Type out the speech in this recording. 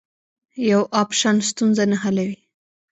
یو اپشن ستونزه نه حلوي.